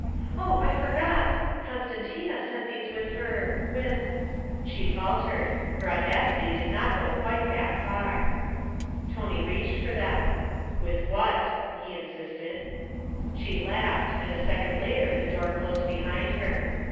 'Oh, I forgot! Costantina sent these with her with ' She faltered; her audacity did not go quite that far. Tony reached for them. 'With what?' he insisted. She laughed; and a second later the door closed behind her.